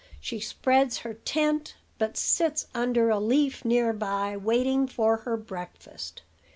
She spreads her tent, but sits under a leaf near by, waiting for her breakfast.